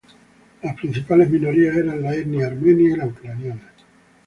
Las principales minorías eran la etnia armenia y la ucraniana.